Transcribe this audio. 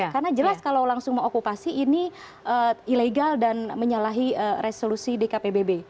karena jelas kalau langsung mengokupasi ini ilegal dan menyalahi resolusi dkpbb